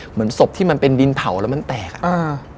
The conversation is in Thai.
เหมือนศพที่มันเป็นดินเผาแล้วมันแตกอ่ะอ่า